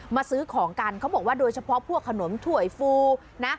ซื้อของกันเขาบอกว่าโดยเฉพาะพวกขนมถ้วยฟูนะ